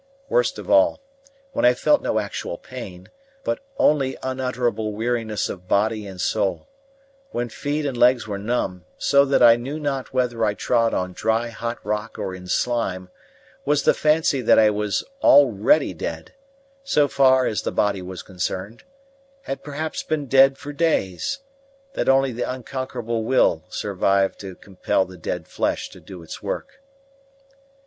Worst of all, when I felt no actual pain, but only unutterable weariness of body and soul, when feet and legs were numb so that I knew not whether I trod on dry hot rock or in slime, was the fancy that I was already dead, so far as the body was concerned had perhaps been dead for days that only the unconquerable will survived to compel the dead flesh to do its work.